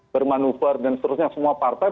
bermanuver dan seterusnya semua partai